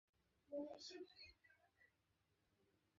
নারীদের চাওয়া সুরক্ষা, নিরাপত্তা।